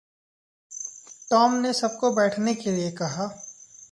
Tom ने सब को बैठने के लिये कहा।